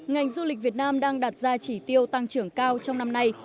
ngành du lịch việt nam đang đặt ra chỉ tiêu tăng trưởng cao trong năm nay